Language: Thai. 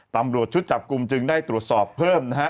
ตำรวจชุดจับกลุ่มจึงได้ตรวจสอบเพิ่มนะฮะ